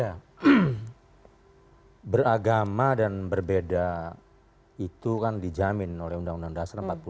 jadi beragama dan berbeda itu kan dijamin oleh undang undang dasar empat puluh lima